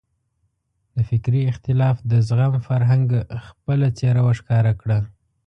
د فکري اختلاف د زغم فرهنګ خپله څېره وښکاره کړه.